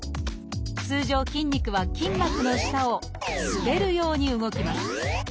通常筋肉は筋膜の下を滑るように動きます。